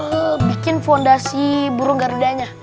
nah kita tinggal bikin fondasi burung garudanya